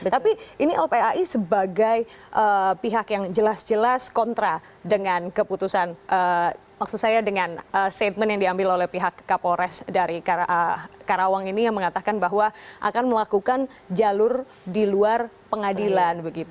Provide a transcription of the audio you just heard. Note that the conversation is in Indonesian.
tapi ini lpai sebagai pihak yang jelas jelas kontra dengan keputusan maksud saya dengan statement yang diambil oleh pihak kapolres dari karawang ini yang mengatakan bahwa akan melakukan jalur di luar pengadilan